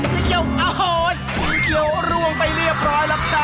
เกี่ยวโอ้โหสีเขียวร่วงไปเรียบร้อยแล้วจ้ะ